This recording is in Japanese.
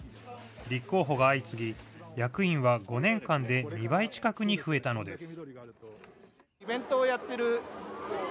立候補が相次ぎ、役員は５年間で２倍近くに増えたのです。